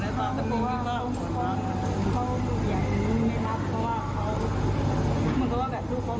มันก็ว่ากับทุกคนมีความมากกว่ากัน